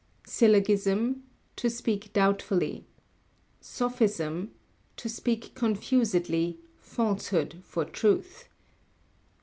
Syllogism: to speak doubtfully. Sophism: to speak confusedly; falsehood for truth.